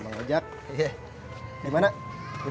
saya hubungi tym dificile šankul